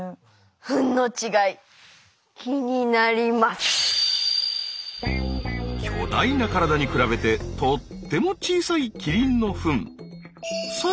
フンの違い巨大な体に比べてとっても小さいキリンのフン。